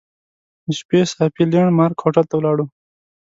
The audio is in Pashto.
د شپې صافي لینډ مارک هوټل ته ولاړو.